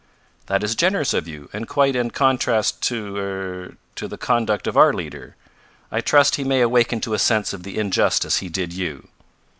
"That is generous of you, and quite in contrast to er to the conduct of our leader. I trust he may awaken to a sense of the injustice he did you."